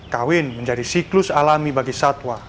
kawin menjadi siklus alami bagi satwa